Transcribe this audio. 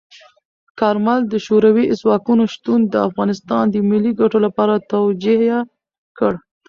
کارمل د شوروي ځواکونو شتون د افغانستان د ملي ګټو لپاره توجیه کړ.